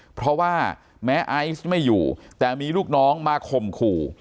เพราะว่าแม้ไอซ์ไม่อยู่แต่มีลูกน้องมาข่มขู่